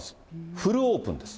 フルオープンです。